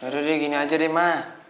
yaudah deh gini aja deh ma